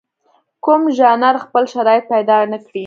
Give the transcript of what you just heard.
کوم ژانر خپل شرایط پیدا نکړي.